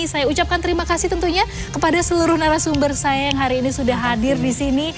saya ucapkan terima kasih tentunya kepada seluruh narasumber saya yang hari ini sudah hadir di sini